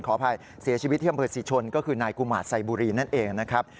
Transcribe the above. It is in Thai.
ขออภัยเสียชีวิตที่อำเภอศรีชนก็คือนายกุมารไซบุรีนั่นเองนะครับ